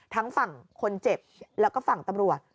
ทั้งฝั่งคนเจ็บแล้วก็ฝั่งตำรวจ